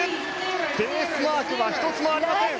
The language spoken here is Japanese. ベースマークは１つもありません。